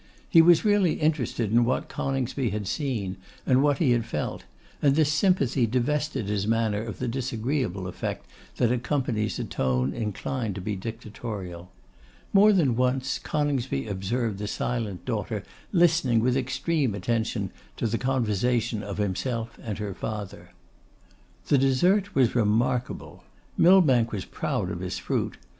He was really interested in what Coningsby had seen, and what he had felt; and this sympathy divested his manner of the disagreeable effect that accompanies a tone inclined to be dictatorial. More than once Coningsby observed the silent daughter listening with extreme attention to the conversation of himself and her father. The dessert was remarkable. Millbank was proud of his fruit.